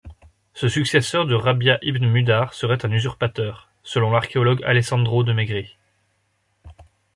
Ce successeur de Rabia ibn Mudhar serait un usurpateur, selon l’archéologue Alessandro de Maigret.